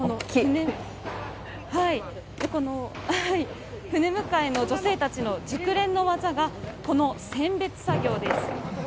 この船迎えの女性たちの熟練の技が、この選別作業です。